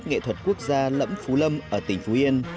nghệ thuật quốc gia lẫm phú lâm ở tỉnh phú yên